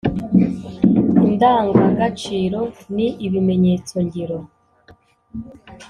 indangagaciro ni ibimenyetso ngiro